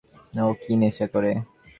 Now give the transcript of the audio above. ও কী নেশা করে?